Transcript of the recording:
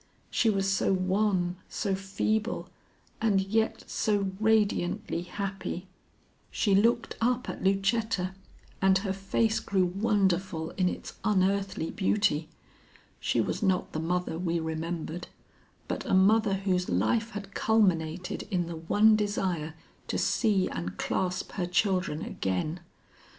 She was so wan, so feeble, and yet so radiantly happy. "She looked up at Lucetta, and her face grew wonderful in its unearthly beauty. She was not the mother we remembered, but a mother whose life had culminated in the one desire to see and clasp her children again.